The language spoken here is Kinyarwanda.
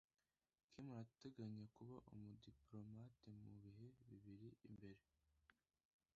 Kim arateganya kuba umudipolomate mu bihe biri imbere.